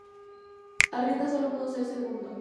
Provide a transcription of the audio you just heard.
Arrieta sólo pudo ser segundo.